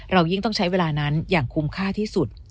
ยิ่งต้องใช้เวลานั้นอย่างคุ้มค่าที่สุด